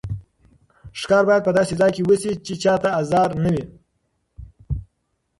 ښکار باید په داسې ځای کې وشي چې چا ته ازار نه وي.